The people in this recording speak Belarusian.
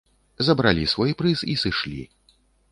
Забралі свой прыз і сышлі!